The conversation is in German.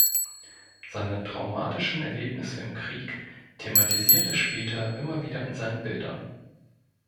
Seine traumatischen Erlebnisse im Krieg thematisiert er später immer wieder in seinen Bildern.